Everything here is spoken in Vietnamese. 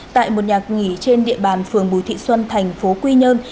tại một nhà nghỉ trên địa bàn phường bùi thị xuân thành phố quy nhơn